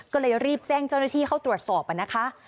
ก็เลยรีบแจ้งเจ้าหน้าที่เข้าตรวจสอบนะคะ